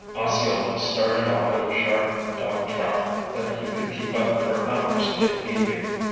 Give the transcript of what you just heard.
Osceola started off at a sharp dog trot that he could keep up for hours if need be.